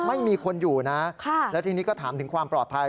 ไม่มีคนอยู่นะแล้วทีนี้ก็ถามถึงความปลอดภัย